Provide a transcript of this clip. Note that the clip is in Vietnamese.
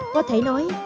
có thể nói